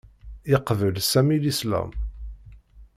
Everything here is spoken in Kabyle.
Yeqbel Sami Lislam.